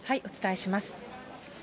お伝えします。